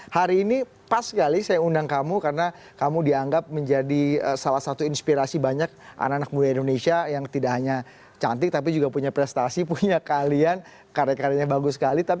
hari ini pas sekali saya undang kamu karena kamu dianggap menjadi salah satu inspirasi banyak anak anak muda indonesia yang tidak hanya cantik tapi juga punya prestasi punya keahlian karya karyanya bagus sekali